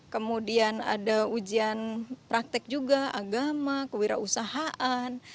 kemudian ada ujian praktek juga agama kewirausahaan